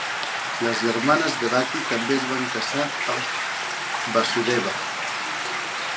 Les germanes Devaki també es van casar amb Vasudeva.